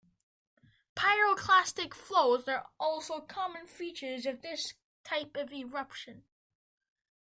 Pyroclastic flows are also common features of this type of eruption.